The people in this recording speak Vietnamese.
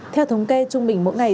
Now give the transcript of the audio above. theo thống kê trung bình mỗi ngày